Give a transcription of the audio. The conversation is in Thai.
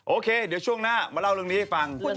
โอเคเดี๋ยวช่วงหน้ามาเล่าเรื่องนี้ให้ฟัง